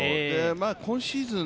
琉今シーズン